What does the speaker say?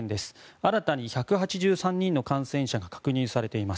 新たに１８３人の感染者が確認されています。